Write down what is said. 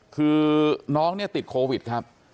คือน้องเนี่ยติดโควิดครับ